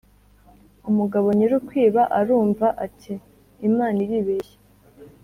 Umugabo nyiri ukwiba arumva, ati: Imana iribeshya."